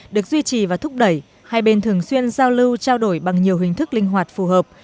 được duy trì và thúc đẩy hai bên thường xuyên giao lưu trao đổi bằng nhiều hình thức linh hoạt phù hợp